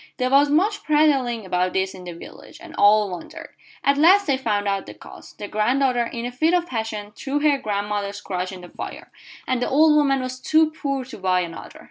There was much prattling about this in the village, and all wondered. At last they found out the cause. The granddaughter, in a fit of passion, threw her grandmother's crutch in the fire, and the old woman was too poor to buy another.